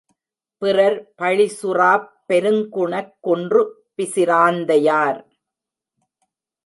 பிறர் பழிசுறாப் பெருங்குணக் குன்று பிசிராந்தையார்!